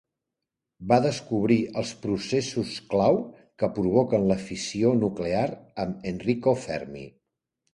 Va descobrir els processos clau que provoquen la fissió nuclear amb Enrico Fermi.